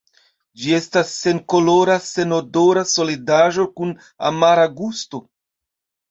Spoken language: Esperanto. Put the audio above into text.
Ĝi estas senkolora senodora solidaĵo kun amara gusto.